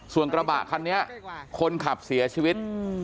ส่วนกระบะคันนี้คนขับเสียชีวิต